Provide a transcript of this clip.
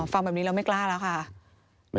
ฟังแบบนี้แล้วไม่กล้าแล้วค่ะ